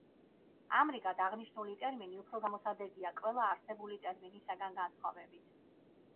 ამრიგად აღნიშნული ტერმინი უფრო გამოსადეგია ყველა არსებული ტერმინისაგან განსხვავებით.